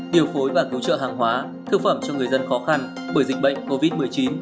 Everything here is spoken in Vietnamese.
điều phối và cứu trợ hàng hóa thương phẩm cho người dân khó khăn bởi dịch bệnh covid một mươi chín